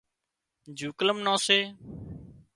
جُوڪلم نان سي